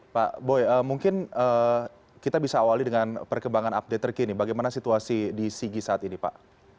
pak boy mungkin kita bisa awali dengan perkembangan update terkini bagaimana situasi di sigi saat ini pak